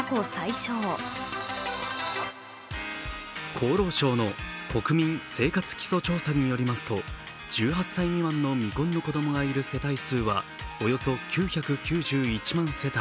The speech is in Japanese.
厚労省の国民生活基礎調査によりますと、１８歳未満の未婚の子供がいる世帯数はおよそ９９１万世帯。